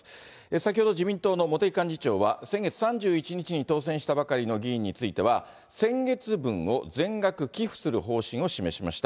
先ほど自民党の茂木幹事長は、先月３１日に当選したばかりの議員については、先月分を全額寄付する方針を示しました。